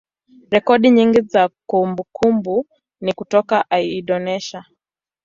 rekodi nyingi za kumbukumbu ni kutoka Indonesia.